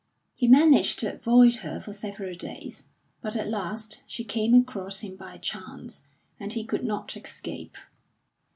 He managed to avoid her for several days, but at last she came across him by chance, and he could not escape.